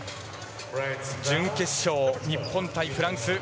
準決勝、日本対フランス。